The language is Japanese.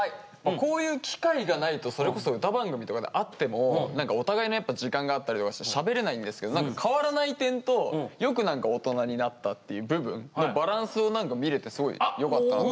こういう機会がないとそれこそ歌番組とかで会ってもお互いのやっぱ時間があったりとかしてしゃべれないんですけど変わらない点とよく何か大人になったっていう部分のバランスを見れてすごいよかったなと思いました。